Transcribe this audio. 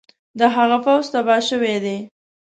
د هغه پوځ تباه شوی دی.